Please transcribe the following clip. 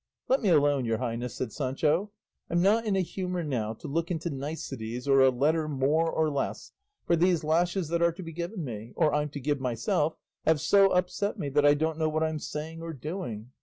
"Let me alone, your highness," said Sancho. "I'm not in a humour now to look into niceties or a letter more or less, for these lashes that are to be given me, or I'm to give myself, have so upset me, that I don't know what I'm saying or doing.